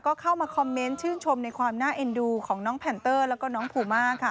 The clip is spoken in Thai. ก็เข้ามาคอมเมนต์ชื่นชมในความน่าเอ็นดูของน้องแพนเตอร์แล้วก็น้องภูมาค่ะ